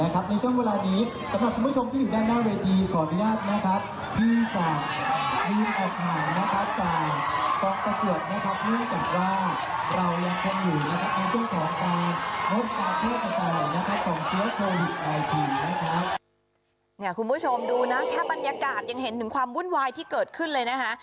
คุณผู้ชมดูนะแค่บรรยากาศยังเห็นถึงความวุ่นวายที่เกิดขึ้นเลยนะคะ